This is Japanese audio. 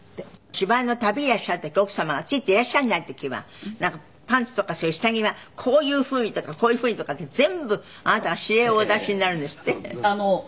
芝居の旅いらっしゃる時奥様がついていらっしゃらない時はパンツとかそういう下着は「こういう風に」とか「こういう風に」とかって全部あなたが指令をお出しになるんですって？